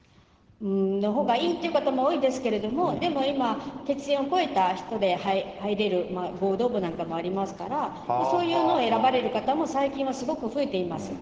のほうがいいっていう方も多いですけれども、でも今、血縁をこえた人で入れる合同墓などもありますから、そういうのを選ばれる方も、最近はすごく増えています。